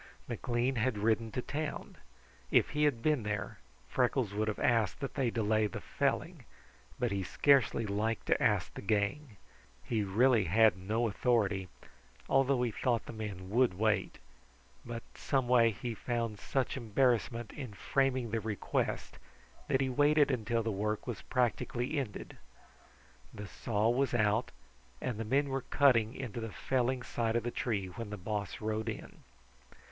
McLean had ridden to town. If he had been there, Freckles would have asked that they delay the felling, but he scarcely liked to ask the gang. He really had no authority, although he thought the men would wait; but some way he found such embarrassment in framing the request that he waited until the work was practically ended. The saw was out, and the men were cutting into the felling side of the tree when the Boss rode in.